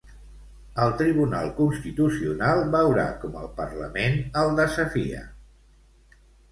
El Tribunal Constitucional veurà com el Parlament el desafia.